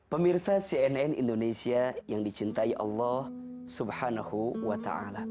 pemirsa cnn indonesia yang dicintai allah swt